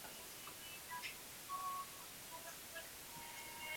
Tras ser operado, contrajo una neumonía que le hizo empeorar.